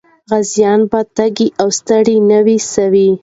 غازيان به بیا تږي او ستړي نه وي سوي.